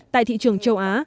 tại thị trường châu á